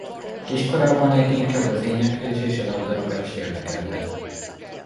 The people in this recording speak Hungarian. Kiskorában leginkább az éneklés és a labdarúgás érdekelte.